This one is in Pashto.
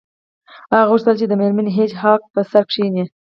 هغه غوښتل چې د میرمن هیج هاګ په سر کښینی